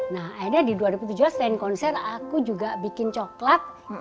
nah akhirnya di dua ribu tujuh belas selain konser aku juga bikin coklat